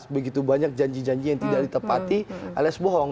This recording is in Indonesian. begitu banyak janji janji yang tidak ditepati alias bohong